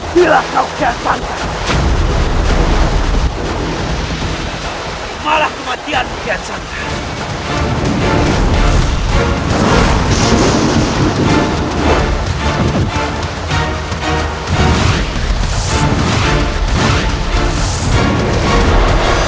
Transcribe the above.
berhenti lah kau ke atas